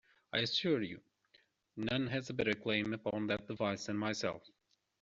I assure you, none has a better claim upon that device than myself.